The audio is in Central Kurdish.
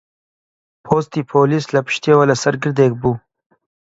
پۆستی پۆلیس لە پشتیەوە لەسەر گردێک بوو